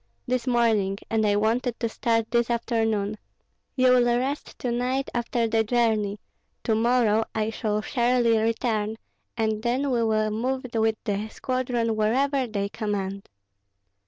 "This morning, and I wanted to start this afternoon. You will rest to night after the journey; to morrow I shall surely return, and then we will move with the squadron wherever they command."